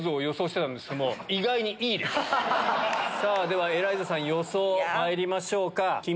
ではエライザさん予想まいりましょうか。